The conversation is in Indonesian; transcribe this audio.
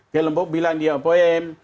kelembok bilang dia opoem